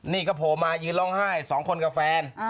นี่ก็โผล่มายืนร้องไห้สองคนกับแฟน